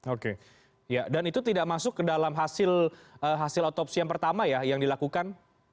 oke dan itu tidak masuk ke dalam hasil otopsi yang pertama ya yang dilakukan